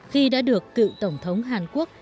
khi đã được cựu tổng thống hàn quốc